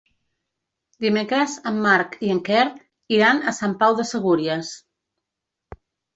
Dimecres en Marc i en Quer iran a Sant Pau de Segúries.